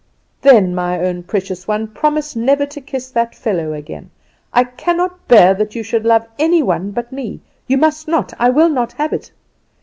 "Then, my own precious one, promise never to kiss that fellow again. I cannot bear that you should love any one but me. You must not! I will not have it!